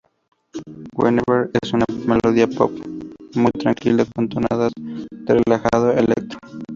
Whenever es una melodía Pop, muy tranquila, con tonadas de relajado Electro.